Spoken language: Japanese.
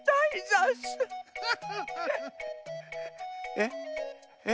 えっ？えっ？